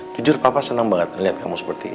jujur papa seneng banget ngeliat kamu seperti itu